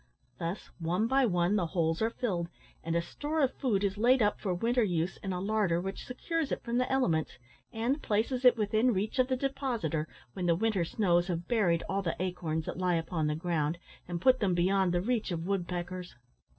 Thus one by one the holes are filled, and a store of food is laid up for winter use in a larder which secures it from the elements, and places it within reach of the depositor when the winter snows have buried all the acorns that lie upon the ground, and put them beyond the reach of woodpeckers.